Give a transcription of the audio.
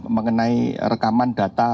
mengenai rekaman data